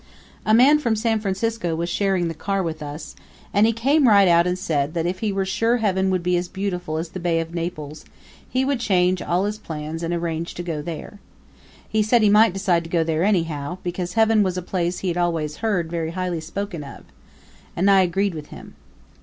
A man from San Francisco was sharing the car with us, and he came right out and said that if he were sure heaven would be as beautiful as the Bay of Naples, he would change all his plans and arrange to go there. He said he might decide to go there anyhow, because heaven was a place he had always heard very highly spoken of. And I agreed with him.